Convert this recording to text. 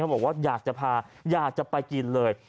บอกว่าอยากจะพาอยากจะไปกินเลย